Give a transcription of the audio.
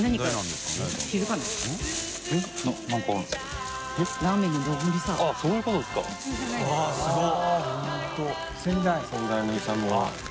すごい。